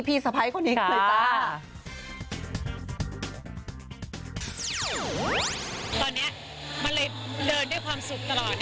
ตอนนี้มันเลยเดินด้วยความสุขตลอด